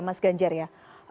mas ganjar ya